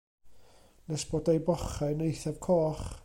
Nes bod ei bochau yn eithaf coch.